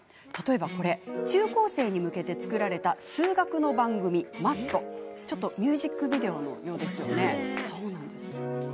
例えば、こちらは中高生に向けて作られた数学の番組「マスと！」。まるでミュージックビデオのようですよね。